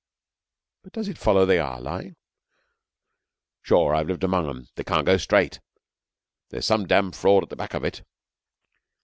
'But does it follow that they are lying?' 'Sure. I've lived among 'em. They can't go straight. There's some dam' fraud at the back of it.'